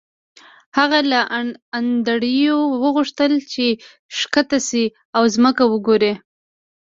هغه له انډریو وغوښتل چې ښکته شي او ځمکه وګوري